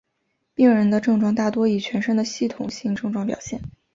病人的症状大多以全身的系统性症状表现。